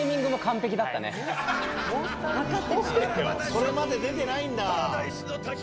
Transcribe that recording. それまで出てないんだ。